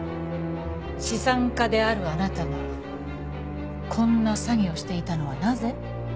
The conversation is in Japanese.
資産家であるあなたがこんな詐欺をしていたのはなぜ？